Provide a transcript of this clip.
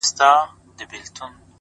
• پر ډوډۍ یې زهر وپاشل په ښار کي,